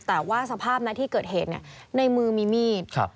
แต่ว่าสภาพนะที่เกิดเหตุเนี่ยในมือมีมีด